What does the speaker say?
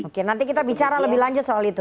oke nanti kita bicara lebih lanjut soal itu